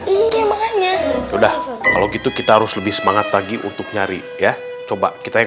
ini makanya udah kalau gitu kita harus lebih semangat lagi untuk nyari ya coba kita yang